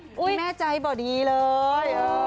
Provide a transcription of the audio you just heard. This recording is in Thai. แม่ใจบ่ดีเลย